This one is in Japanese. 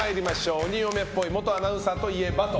鬼嫁っぽい元アナウンサーといえば？